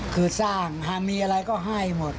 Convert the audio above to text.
คือสร้างหากมีอะไรก็ให้หมด